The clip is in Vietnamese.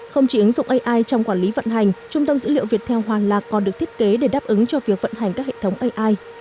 không chỉ ứng dụng ai trong quản lý vận hành trung tâm dữ liệu viettel hoàng lạc còn được thiết kế để đáp ứng cho việc vận hành các hệ thống ai